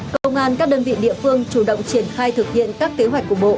công an các đơn vị địa phương chủ động triển khai thực hiện các kế hoạch của bộ